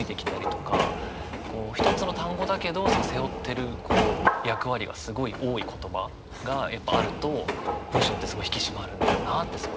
一つの単語だけど背負ってる役割がすごい多い言葉があると文章ってすごい引き締まるんだよなってすごい思わされました。